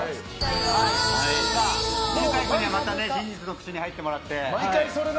犬飼君には真実の口に入ってもらって。